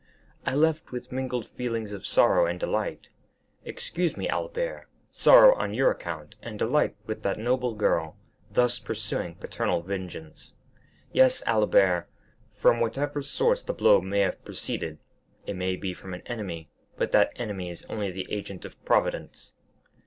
I left with mingled feelings of sorrow and delight. Excuse me, Albert,—sorrow on your account, and delight with that noble girl, thus pursuing paternal vengeance. Yes, Albert, from whatever source the blow may have proceeded—it may be from an enemy, but that enemy is only the agent of Providence."